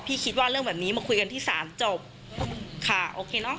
คิดว่าเรื่องแบบนี้มาคุยกันที่ศาลจบค่ะโอเคเนอะ